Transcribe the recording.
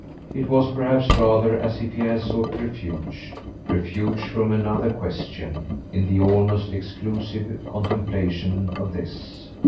It was perhaps rather as if he had sought refuge refuge from another question in the almost exclusive contemplation of this.